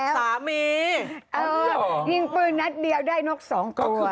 สามียิงปืนนัดเดียวได้นกสองตัว